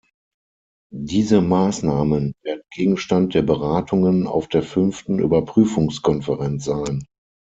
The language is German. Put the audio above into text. Diese Maßnahmen werden Gegenstand der Beratungen auf der fünften Überprüfungskonferenz sein.